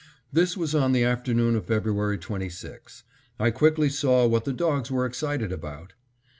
This was on the afternoon of February 26. I quickly saw what the dogs were excited about.